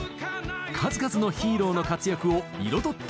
数々のヒーローの活躍を彩ってきました。